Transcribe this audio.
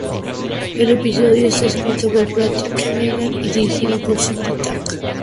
El episodio está escrito por Patrick Meighan y dirigido por Cyndi Tang.